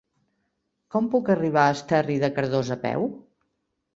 Com puc arribar a Esterri de Cardós a peu?